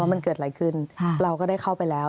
มันเกิดอะไรขึ้นเราก็ได้เข้าไปแล้ว